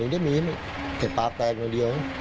นี่แต่มีเทศป้ากแปงหน่อยเดียว